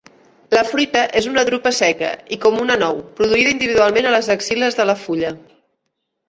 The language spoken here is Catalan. La fruita és una drupa seca i com una anou, produïda individualment a les axil·les de la fulla.